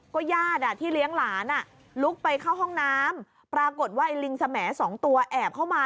ญาติที่เลี้ยงหลานลุกไปเข้าห้องน้ำปรากฏว่าไอ้ลิงสแหมดสองตัวแอบเข้ามา